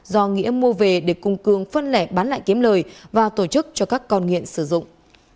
do nghĩa mua về để cùng cường phân lẻ bán lại kiếm lời và tổ chức cho các con nghiện sử dụng